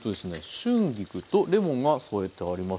春菊とレモンが添えてあります。